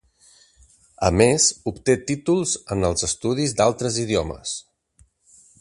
A més, obté títols en els estudis d'altres idiomes.